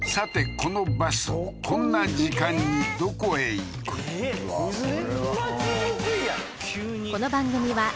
このバスこんな時間にどこへ行く？ええーむずくね？